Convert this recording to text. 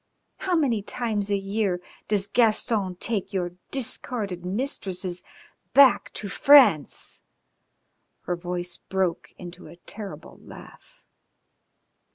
How many times a year does Gaston take your discarded mistresses back to France?" Her voice broke into a terrible laugh.